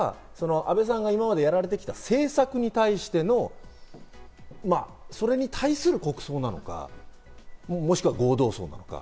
安倍さんが今までやられてきた政策に対してのそれに対する国葬なのか、もしくは合同葬なのか。